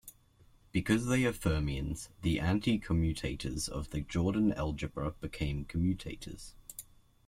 Because they are fermions the anti-commutators of the Jordan algebra become commutators.